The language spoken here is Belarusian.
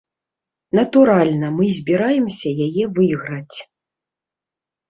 Натуральна, мы збіраемся яе выйграць.